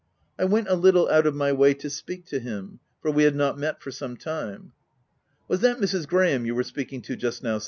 I went a little out of my way to speak to him ; for we had not met for some time. " Was that Mrs. Graham you were speaking to just now